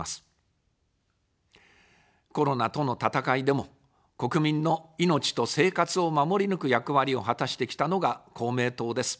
コロナとの闘いでも、国民の命と生活を守り抜く役割を果たしてきたのが公明党です。